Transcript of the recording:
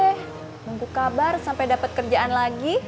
tunggu kabar sampe dapet kerjaan lagi